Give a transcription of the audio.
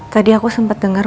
tadi aku sempat dengar